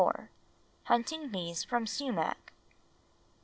HUNTING BEES FROM SUMAC.